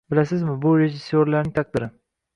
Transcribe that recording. Bilasizmi, bu rejissyorlarning taqdiri…